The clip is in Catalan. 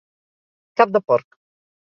Cap de porc.